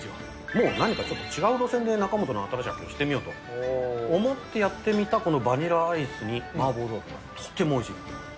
もう何かちょっと違う路線で中本の新しいをしてみようと、思ってやってみた、このバニラアイスに麻婆豆腐がとってもおいしいです。